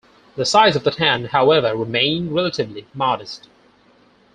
The size of the town, however, remained relatively modest.